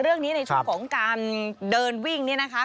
ในช่วงของการเดินวิ่งนี่นะคะ